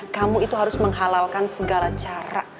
kamu itu harus menghalalkan segala cara